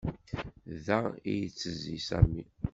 Da i yettezzi Sami.